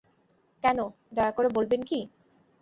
কেন, দয়া করে বলবেন কি?